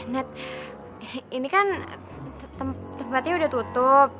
nah ini kan tempatnya udah tutup